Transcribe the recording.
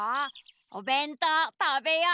おべんとうたべよう！